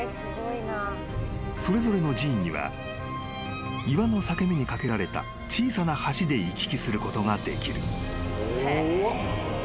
［それぞれの寺院には岩の裂け目に架けられた小さな橋で行き来することができる］